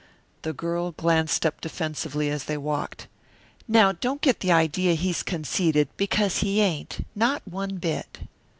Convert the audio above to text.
The girl glanced up defensively as they walked. "Now don't get the idea he's conceited, because he ain't. Not one bit."